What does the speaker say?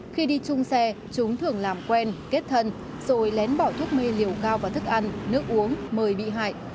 khi đi chung xe chúng thường làm quen kết thân rồi lén bỏ thuốc mê liều cao vào thức ăn nước uống mời bị hại